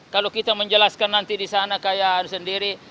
kalau kita menjelaskan nanti di sana kayak harus sendiri